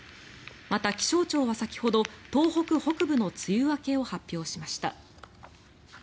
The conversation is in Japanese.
また、気象庁は先ほど東北北部の梅雨明けを発表しました。